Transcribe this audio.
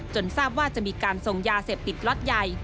ทราบว่าจะมีการส่งยาเสพติดล็อตใหญ่